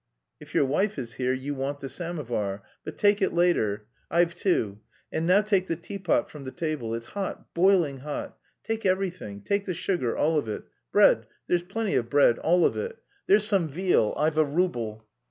"If your wife is here you want the samovar. But take it later. I've two. And now take the teapot from the table. It's hot, boiling hot. Take everything, take the sugar, all of it. Bread... there's plenty of bread; all of it. There's some veal. I've a rouble."